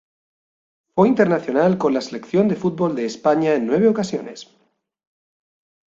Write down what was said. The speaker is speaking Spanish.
Fue internacional con la selección de fútbol de España en nueve ocasiones.